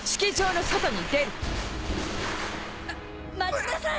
待ちなさい！